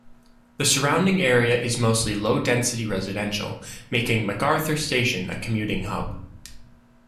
The surrounding area is mostly low-density residential, making MacArthur station a commuting hub.